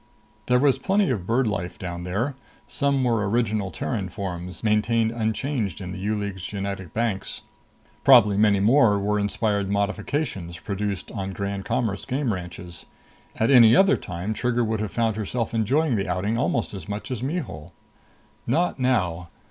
There was plenty of bird life down there. Some were original Terran forms, maintained unchanged in the U League's genetic banks. Probably many more were inspired modifications produced on Grand Commerce game ranches. At any other time, Trigger would have found herself enjoying the outing almost as much as Mihul. Not now.